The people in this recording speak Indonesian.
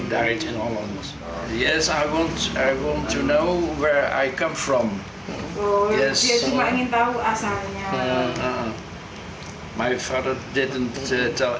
ayah saya tidak mengatakan apa apa tidak mengatakan apa apa tentang masa lalu